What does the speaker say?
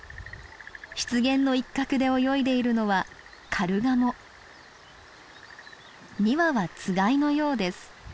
湿原の一角で泳いでいるのは２羽はつがいのようです。